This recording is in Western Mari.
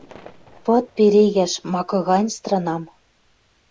Пыт перегӓш макы гань странам